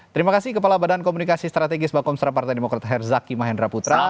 terima kasih kepala badan komunikasi strategis bakomsra partai demokrat herzaki mahendra putra